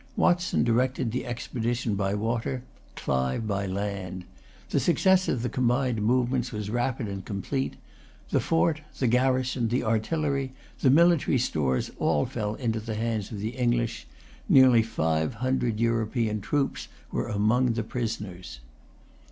Watson directed the expedition by water, Clive by land. The success of the combined movements was rapid and complete. The fort, the garrison, the artillery, the military stores, all fell into the hands of the English. Near five hundred European troops were among the prisoners.